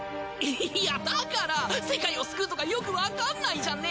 いやだから世界を救うとかよくわかんないじゃんね！